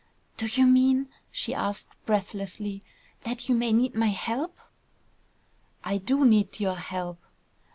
"Do you mean," she asked, breathlessly, "that you may need my help?" "I do need your help!"